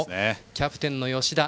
キャプテン吉田。